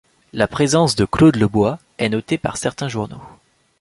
La présence de Claude Lebois est notée par certains journaux.